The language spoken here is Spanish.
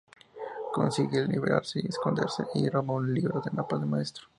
Consigue liberarse y esconderse, y roba un libro de mapas maestro.